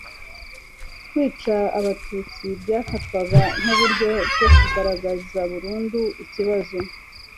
kwica abatutsi byafatwaga nk'uburyo bwo kurangiza burundu ikibazo